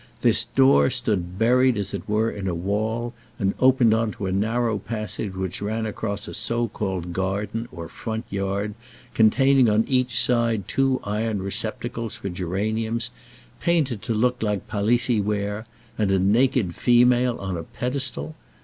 This door stood buried as it were in a wall, and opened on to a narrow passage which ran across a so called garden, or front yard, containing on each side two iron receptacles for geraniums, painted to look like Palissy ware, and a naked female on a pedestal.